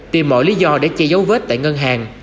tìm mọi lý do để che giấu vết tại ngân hàng